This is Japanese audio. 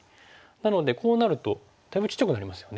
なのでこうなるとだいぶちっちゃくなりますよね。